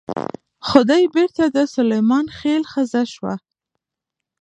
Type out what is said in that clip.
خدۍ بېرته د سلیمان خېل ښځه شوه.